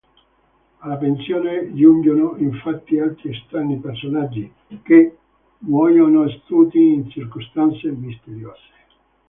Alla pensione giungono infatti altri strani personaggi, che muoiono tutti in circostanze misteriose.